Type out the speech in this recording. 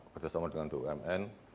kerjasama dengan umn